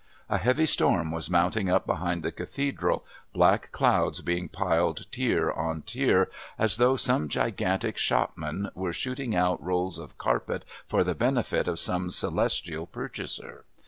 A heavy storm was mounting up behind the Cathedral, black clouds being piled tier on tier as though some gigantic shopman were shooting out rolls of carpet for the benefit of some celestial purchaser.